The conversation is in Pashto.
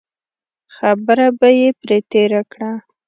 خبره به یې پرې تېره کړه.